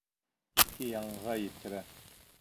Иҫке яңыға еткерә.